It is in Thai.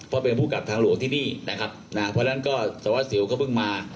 เพราะเป็นผู้กลับทางหลวงที่นี่นะครับนะเพราะฉะนั้นก็สารวัสสิวก็เพิ่งมา